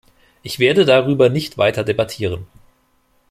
Ich werde darüber nicht weiter debattieren.